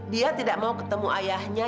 dia tidak mau ketemu ayahnya